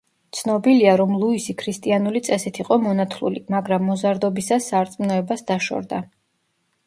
ცნობილია, რომ ლუისი ქრისტიანული წესით იყო მონათლული, მაგრამ მოზარდობისას სარწმუნოებას დაშორდა.